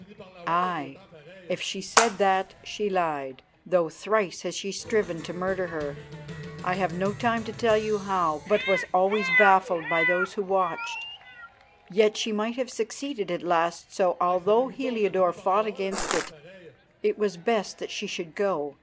"Aye, if she said that she lied, though thrice she has striven to murder her, I have no time to tell you how, but was always baffled by those who watched. Yet she might have succeeded at last, so, although Heliodore fought against it, it was best that she should go.